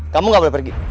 kamu gak boleh pergi